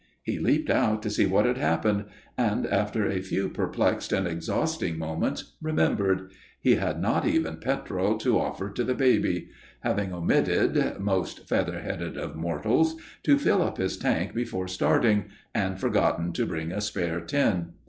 He leaped out to see what had happened, and, after a few perplexed and exhausting moments, remembered. He had not even petrol to offer to the baby, having omitted most feather headed of mortals to fill up his tank before starting, and forgotten to bring a spare tin.